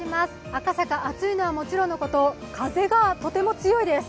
赤坂、暑いのはもちろんのこと、風がとても強いです。